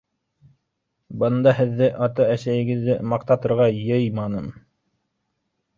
Бында һеҙҙе ата-әсәйегеҙҙе маҡтатырға йыйманым.